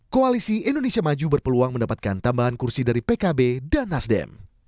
koalisi indonesia maju berpeluang mendapatkan tambahan kursi dari pkb dan nasdem